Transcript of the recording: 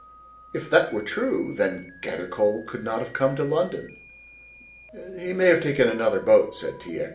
"If that were true, then, Gathercole could not have come to London." "He may have taken another boat," said T. X.